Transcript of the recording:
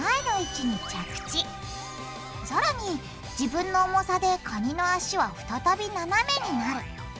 さらに自分の重さでカニの脚は再びななめになる。